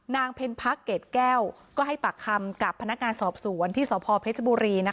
นางเพลินพรรคเกดแก้วก็ให้ปากคำกับพนักงานสอบสวนที่สอบพอเพชรบุรีนะคะ